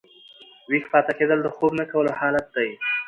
ویښ پاته کېدل د خوب نه کولو حالت دئ.